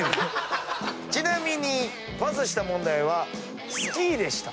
ちなみにパスした問題はスキーでした。